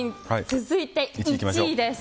続いて、１位です。